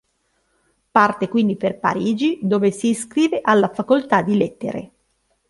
Parte quindi per Parigi dove si iscrive alla Facoltà di Lettere.